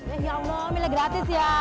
ya allah milih gratis ya